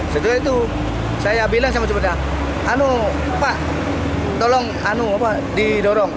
setelah itu saya bilang sama sepeda pak tolong di dorong